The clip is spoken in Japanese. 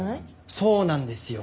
そうなんですよ。